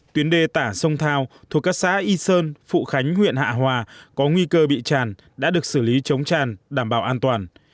tuyến đê tả sông thao thuộc các xã y sơn phụ khánh huyện hạ hòa có nguy cơ bị tràn đã được xử lý chống tràn đảm bảo an toàn